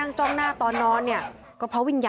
คุณสังเงียมต้องตายแล้วคุณสังเงียม